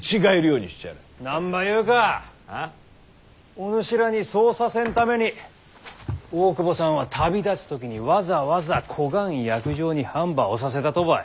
お主らにそうさせんために大久保さんは旅立つ時にわざわざこがん約定に判ば押させたとばい。